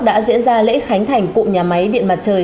đã diễn ra lễ khánh thành cụm nhà máy điện mặt trời